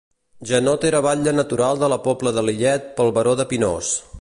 Janot era batlle natural de La Pobla de Lillet pel baró de Pinós.